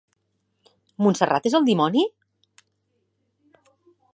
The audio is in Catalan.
Montserrat és el dimoni?